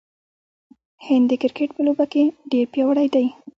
هند د کرکټ په لوبه کې ډیر پیاوړی دی.